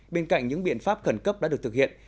bên cạnh những biện pháp khẩn cấp đã được thực hiện